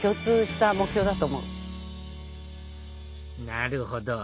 なるほど。